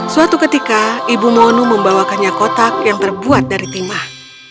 suatu ketika ibu monu membawakannya kotak yang terbuat dari timah